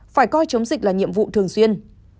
phải coi chống dịch là nhiệm vụ thường xuyên